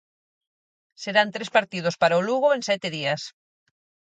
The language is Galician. Serán tres partidos para o Lugo en sete días.